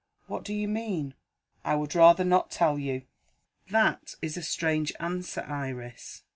"What do you mean?" "I would rather not tell you." "That is a strange answer, Iris."